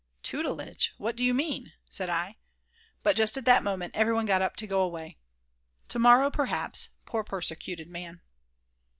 "Tutelage, what do you mean," said I, but just at that moment everyone got up to go away. To morrow perhaps, poor persecuted man.